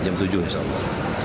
jam tujuh insya allah